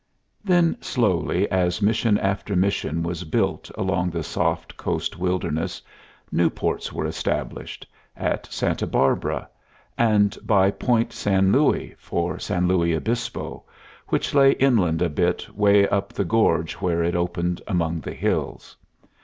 Then, slowly, as mission after mission was built along the soft coast wilderness, new ports were established at Santa Barbara, and by Point San Luis for San Luis Obispo, which lay inland a little way up the gorge where it opened among the hills.